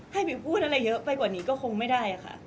วิวพูดอะไรเยอะไปกว่านี้ก็คงไม่ได้ค่ะ